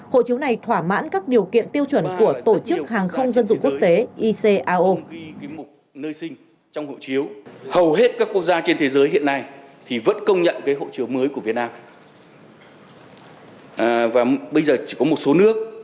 hộ chiếu này thỏa mãn các điều kiện tiêu chuẩn của tổ chức hàng không dân dụng quốc tế icao